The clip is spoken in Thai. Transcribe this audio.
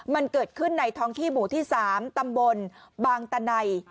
มันเกิดขึ้นในท้องที่หมู่ที่๓ตำบลบางตะไน